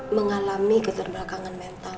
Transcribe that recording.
mengalami keterbakangan mental